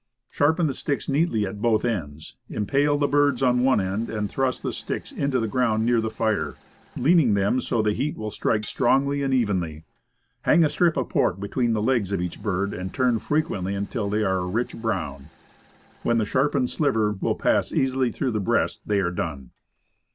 Sharpen the sticks neatly at both ends; im pale the birds on one end and thrust the sticks into the ground near the fire, leaning them so that the heat will strike strongly and evenly. Hang a strip of pork between the legs of each bird, and turn fre quently until they are a rich brown. When the shar pened sliver will pass easily through the breast they are done.